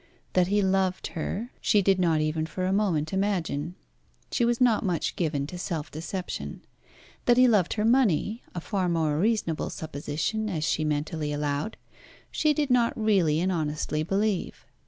That he loved her, she did not even for a moment imagine. She was not much given to self deception. That he loved her money, a far more reasonable supposition as she mentally allowed she did not really and honestly believe.